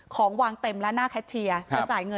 ของวางเต็มแล้วหน้าแคทเชียร์